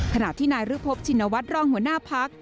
ขณะที่นายฤพบชินวัฒน์รองหัวหน้าพัก